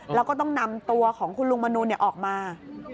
แล้วก็ต้องนำตัวของคุณลุงมนูลออกมา